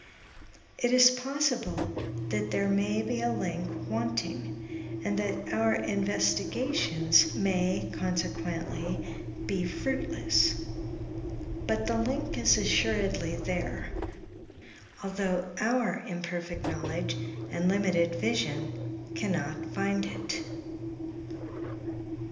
It is possible, that there may be a link wanting, and that our investigations may, consequently, be fruitless; but the link is assuredly there, although our imperfect knowledge and limited vision can not find it.